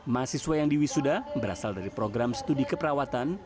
mahasiswa yang diwisuda berasal dari program studi keperawatan